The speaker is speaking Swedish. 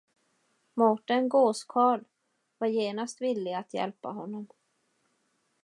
Mårten gåskarl var genast villig att hjälpa honom.